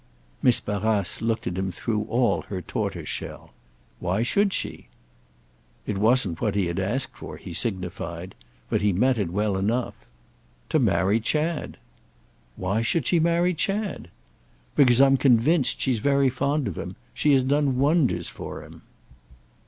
Miss Barrace looked at him through all her tortoise shell. "Why should she?" It wasn't what he had asked for, he signified; but he met it well enough. "To marry Chad." "Why should she marry Chad?" "Because I'm convinced she's very fond of him. She has done wonders for him."